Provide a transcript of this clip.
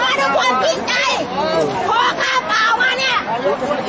อาหรับเชี่ยวจามันไม่มีควรหยุด